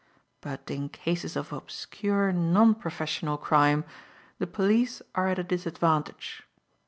But in cases of obscure, non professional crime the police are at a disadvantage.